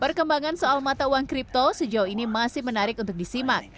perkembangan soal mata uang kripto sejauh ini masih menarik untuk disimak